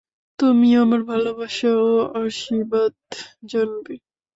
তুমি আমার ভালবাসা ও আশীর্বাদ জানবে।